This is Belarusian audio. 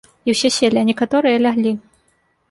І ўсе селі, а некаторыя ляглі.